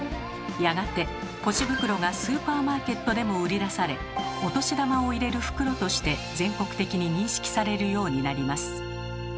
やがて「ぽち袋」がスーパーマーケットでも売り出されお年玉を入れる袋として全国的に認識されるようになります。